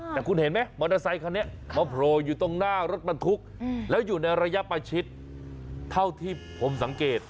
แต่คุณเห็นไหมมอเตอร์ไซคันนี้มาโผล่อยู่ตรงหน้ารถบรรทุกแล้วอยู่ในระยะประชิดเท่าที่ผมสังเกต